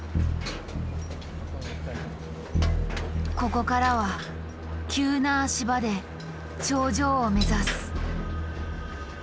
ここからは急な足場で頂上を目指す。